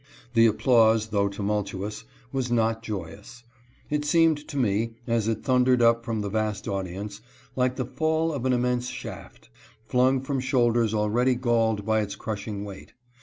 The applause, though tumultuous, was not joyous. It seemed to me, as it thundered up from the vast audience, like the fall of an immense shaft, flung from shoulders, already galled by its crushing weight.